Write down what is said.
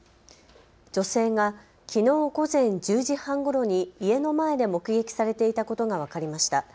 女性がきのう午前１０時半ごろに家の前で目撃されていたことが分かりました。